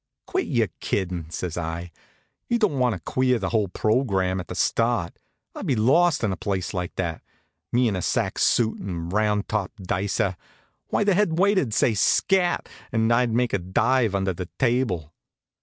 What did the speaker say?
"Quit your kiddin'," says I. "You don't want to queer the whole program at the start. I'd be lost in a place like that me in a sack suit and round top dicer! Why, the head waiter'd say 'Scat!' and I'd make a dive under the table."